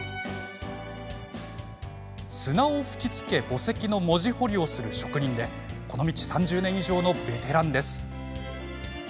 砂を吹きつけ墓石の文字彫りをする職人でこの道３０年以上のベテランです。